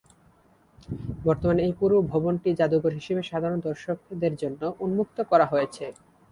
বর্তমানে এই পুরো ভবনটি জাদুঘর হিসেবে সাধারণ দর্শকদের জন্যে উন্মুক্ত করা হয়েছে।